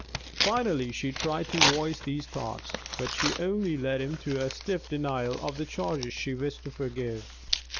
Finally she tried to voice these thoughts, but she only led him to a stiff denial of the charges she wished to forgive.